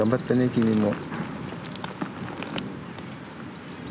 君も。